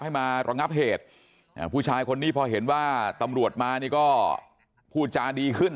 ให้มาระงับเหตุผู้ชายคนนี้พอเห็นว่าตำรวจมานี่ก็พูดจาดีขึ้น